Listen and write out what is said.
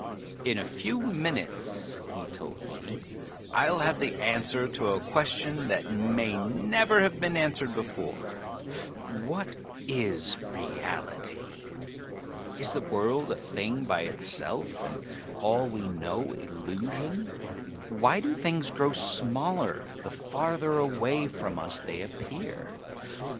"In a few minutes," he told me, "I'll have the answer to a question that may never have been answered before: what is reality? Is the world a thing by itself, and all we know illusion? Why do things grow smaller the farther away from us they appear?